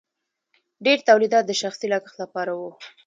ډیر تولیدات د شخصي لګښت لپاره وو.